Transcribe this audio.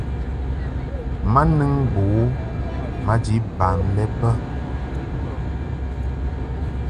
Ma nɨŋ bo u maji bam lɛ bə.